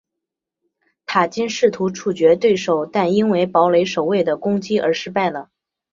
塔金试图处决对手但因为堡垒守卫的攻击而失败了。